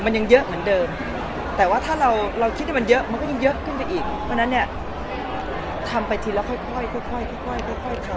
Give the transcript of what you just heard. มันยังเยอะเหมือนเดิมแต่ว่าถ้าเราคิดว่ามันเยอะมันก็ยังเยอะขึ้นไปอีก